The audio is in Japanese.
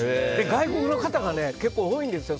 外国の方が結構多いんですよ